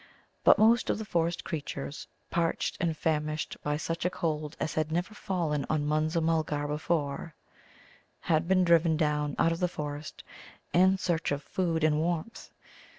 But most of the forest creatures, parched and famished by such a cold as had never fallen on Munza mulgar before, had been driven down out of the forest in search of food and warmth.